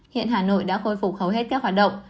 hiện hà nội đã khôi phục hầu hết các hoạt động